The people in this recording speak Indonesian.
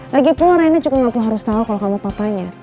lagipun rena juga nggak perlu harus tahu kalau kamu papanya